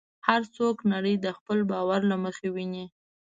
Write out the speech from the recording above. هر څوک نړۍ د خپل باور له مخې ویني.